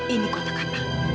ini kotak apaan